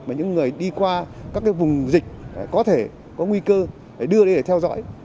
mà những người đi qua các cái vùng dịch có thể có nguy cơ phải đưa đi để theo dõi